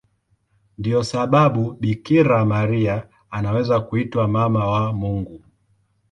Ndiyo sababu Bikira Maria anaweza kuitwa Mama wa Mungu.